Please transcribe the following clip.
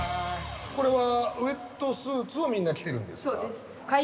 これはウエットスーツをみんな着てるんですか？